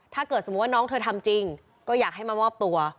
ถ้าเกิดสมมุติว่าน้องเธอทำจริงก็อยากให้มามอบตัว